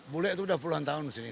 bule itu udah puluhan tahun di sini